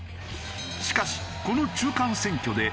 しかしこの中間選挙で。